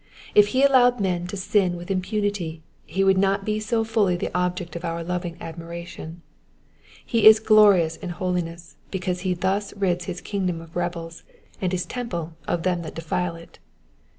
If he allowed men to sin with impunity, he would not be so fully the object of our loving admiration ; he is glorious in holi ness because he thus rids his kingdom of rebels, and his temple of them that defile it.